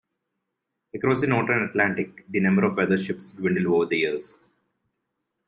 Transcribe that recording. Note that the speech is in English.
Across the northern Atlantic, the number of weather ships dwindled over the years.